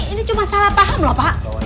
ini cuma salah paham loh pak